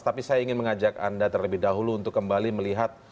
tapi saya ingin mengajak anda terlebih dahulu untuk kembali melihat